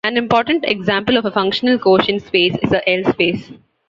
An important example of a functional quotient space is a L space.